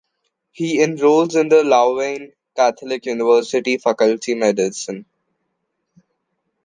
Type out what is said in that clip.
He enrolls in the Louvain Catholic University faculty medicine.